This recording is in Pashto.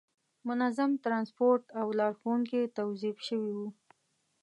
منظم ترانسپورت او لارښوونکي توظیف شوي وو.